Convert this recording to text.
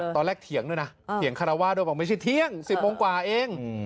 เถียงด้วยนะเถียงคารวาสด้วยบอกไม่ใช่เที่ยง๑๐โมงกว่าเอง